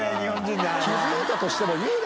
帖気付いたとしても言うな。